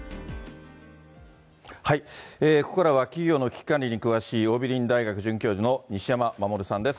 ここからは企業の危機管理に詳しい桜美林大学准教授の西山守さんです。